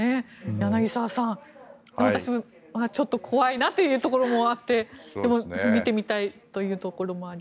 柳澤さん、私もちょっと怖いなというところもあってでも見てみたいというところもあり。